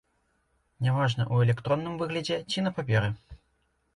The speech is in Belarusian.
Няважна, у электронным выглядзе ці на паперы.